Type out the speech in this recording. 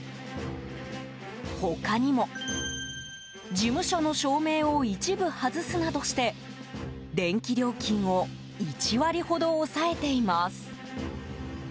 他にも、事務所の照明を一部外すなどして電気料金を１割ほど抑えています。